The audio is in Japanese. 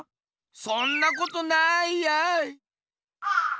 そんなことないやい。